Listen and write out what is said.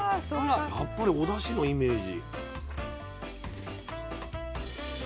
やっぱりおだしのイメージ。